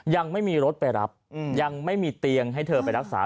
ยังไม่มีรถไปรับยังไม่มีเตียงให้เธอไปรักษา